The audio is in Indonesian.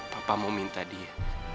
papa mau minta dia